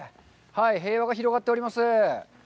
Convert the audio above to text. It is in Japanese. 平和が広がっております。